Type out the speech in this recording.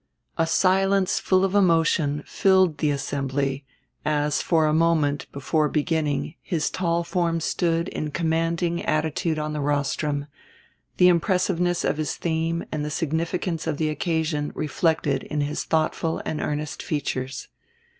A silence full of emotion filled the assembly as for a moment before beginning his tall form stood in commanding attitude on the rostrum, the impressiveness of his theme and the significance of the occasion reflected in his thoughtful and earnest features.